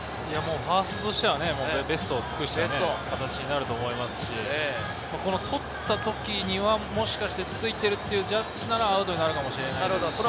ファーストとしてはベストを尽くした形になると思いますし、捕った時にはもしかして、ついているというジャッジならアウトになるかも。